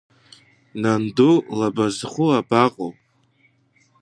Нанду лабазхәы абаҟоу?!